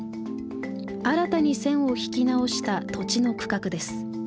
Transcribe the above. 新たに線を引き直した土地の区画です。